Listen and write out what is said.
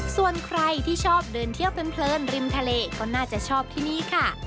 ส่วนใครที่ชอบเดินเที่ยวเพลินริมทะเลก็น่าจะชอบที่นี่ค่ะ